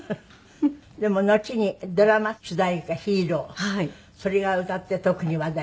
でものちにドラマ主題歌『ヒーロー』それが歌って特に話題に。